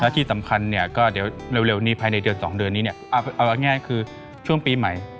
ที่สำคัญเนี่ยก็เดี๋ยวเร็วนี้ภายในเดือน๒เดือนนี้เนี่ยเอาง่ายคือช่วงปีใหม่